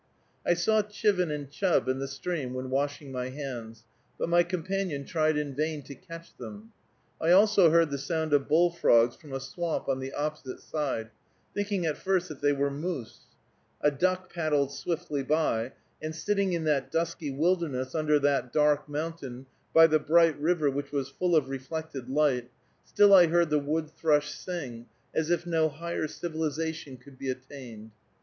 I saw chivin and chub in the stream when washing my hands, but my companion tried in vain to catch them. I also heard the sound of bullfrogs from a swamp on the opposite side, thinking at first that they were moose; a duck paddled swiftly by; and sitting in that dusky wilderness, under that dark mountain, by the bright river which was full of reflected light, still I heard the wood thrush sing, as if no higher civilization could be attained.